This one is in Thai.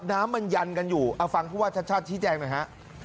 น้ำมันยันกันอยู่เอาฟังพูดว่าชัดชิ้นแจ้งนะฮะ